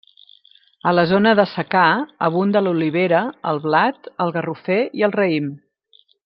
A la zona de secà abunda l'olivera, el blat, el garrofer i el raïm.